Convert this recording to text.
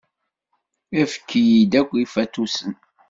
Efk-iyi-d akk ifatusen.